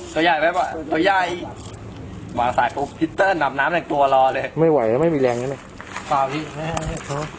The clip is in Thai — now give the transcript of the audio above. ตัวใหญ่ตัวใหญ่วางสายครูพิสเติ้ลหลับน้ำแหล่งตัวรอเลยไม่ไหวแล้วไม่มีแรงนั้นเนี้ย